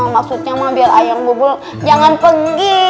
maksudnya mah biar ayam bubul jangan pergi